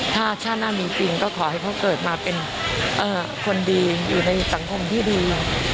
ถ้าชาติหน้ามีจริงก็ขอให้เขาเกิดมาเป็นคนดีอยู่ในสังคมที่ดี